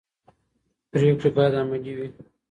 پرېکړې باید عملي وي